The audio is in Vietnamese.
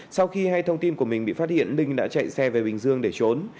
sau khi hai thông tin của mình bị phát hiện linh đã chạy xe về bình dương để trốn